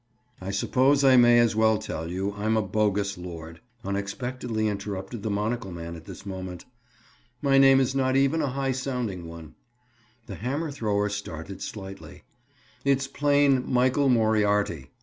"I suppose I may as well tell you I'm a bogus lord," unexpectedly interrupted the monocle man at this moment. "My name is not even a high sounding one." The hammer thrower started slightly. "It's plain Michael Moriarity.